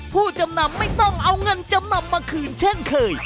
ผู้จำนำไม่ต้องเอาเงินจำนำมาคืนเช่นเคย